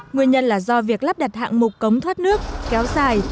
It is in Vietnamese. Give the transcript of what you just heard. nguyên nhân là do việc lắp đặt hạng mục cống thoát nước kéo dài